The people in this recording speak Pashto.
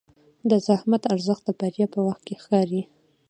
د زحمت ارزښت د بریا په وخت ښکاري.